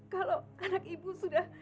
kalau anak ibu sudah